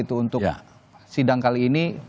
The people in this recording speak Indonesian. untuk sidang kali ini